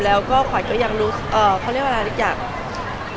แล้วก็ขวัญก็ยังรู้เขาเรียกว่าอะไรทุกอย่าง